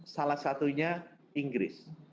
salah satunya inggris